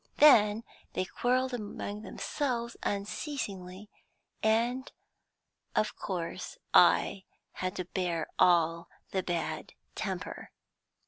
Then they quarrelled among themselves unceasingly, and of course I had to bear all the bad temper.